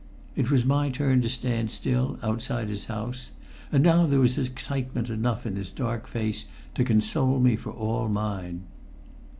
It was my turn to stand still, outside his house. And now there was excitement enough in his dark face to console me for all mine.